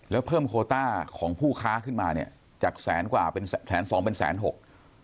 แล้วเพิ่มโคต้าของผู้ค้าขึ้นมาเนี่ยจากแสนกว่าเป็นแสนสองเป็นแสนหก